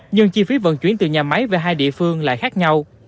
nhưng chi phí vận chuyển từ nhà máy về hai địa phương lại khác nhau